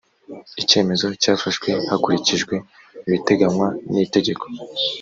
icyemezo cyafashwe hakurikijwe ibiteganywa n’itegeko.